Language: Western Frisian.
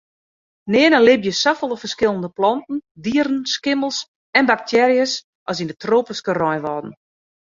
Nearne libje safolle ferskillende planten, dieren, skimmels en baktearjes as yn de tropyske reinwâlden.